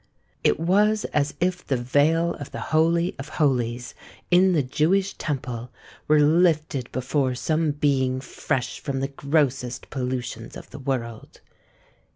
It was as if the veil of the Holy of Holies, in the Jewish temple, were lifted before some being fresh from the grossest pollutions of the world.